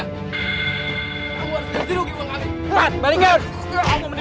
kamu harus berdiri untuk uang kami